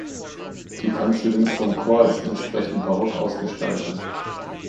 Die Kanzel links vom Chor ist entsprechend barock ausgestaltet.